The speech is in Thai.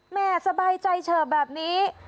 แม่สบายใจเฉิบแบบนี้